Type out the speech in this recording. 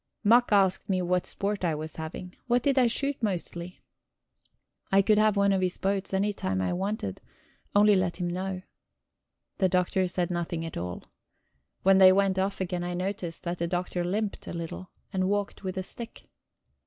Mack asked me what sport I was having. What did I shoot mostly? I could have one of his boats at any time if I wanted only let him know. The Doctor said nothing at all. When they went off again, I noticed that the Doctor limped a little, and walked with a stick.